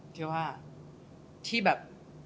ที่ว่าที่แบบ